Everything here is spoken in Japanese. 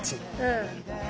うん。